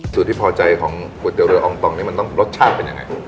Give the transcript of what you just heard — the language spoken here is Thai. ที่พอใจของก๋วยเตี๋ยเรืออองต่องนี้มันต้องรสชาติเป็นยังไง